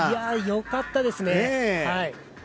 よかったですね。